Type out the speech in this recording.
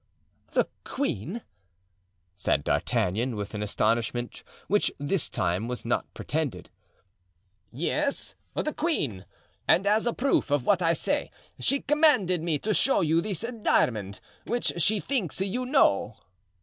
"The queen!" said D'Artagnan, with an astonishment which this time was not pretended. "Yes, the queen! And as a proof of what I say she commanded me to show you this diamond, which she thinks you know."